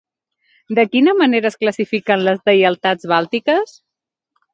De quina manera es classifiquen les deïtats bàltiques?